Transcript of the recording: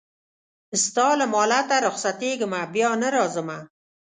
ستا له مالته رخصتېږمه بیا نه راځمه